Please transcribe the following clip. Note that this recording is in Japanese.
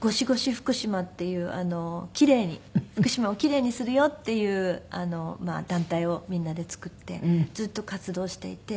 福島っていう奇麗に福島を奇麗にするよっていう団体をみんなで作ってずっと活動していて。